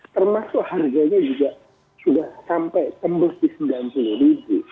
termasuk harganya juga sudah sampai tembus di rp sembilan puluh ribu